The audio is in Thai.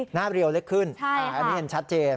หน้าเรียวเล็กขึ้นอันนี้เห็นชัดเจน